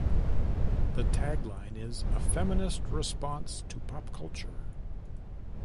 Its tagline is "a feminist response to pop culture".